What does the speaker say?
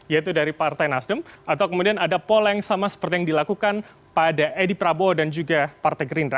yaitu dari partai nasdem atau kemudian ada pola yang sama seperti yang dilakukan pada edi prabowo dan juga partai gerindra